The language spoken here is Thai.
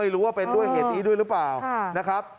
รู้ว่าเป็นด้วยเหตุนี้ด้วยหรือเปล่านะครับ